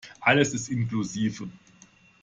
Alles ist inklusive.